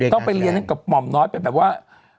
ต้องไปเรียนกับม่อมน้อยแบบว่า